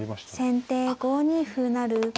先手５二歩成。